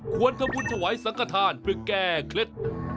ควรทบุญจะไว้สังคทานเพื่อแก้เคล็ด